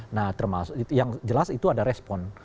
nah termasuk yang jelas itu ada respon